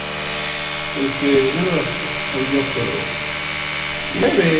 Puede ser almacenado durante un largo periodo de tiempo sin afectar a su actividad.